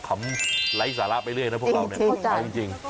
ขำไล่ศาละไปเรื่อยนะพวกเราจริง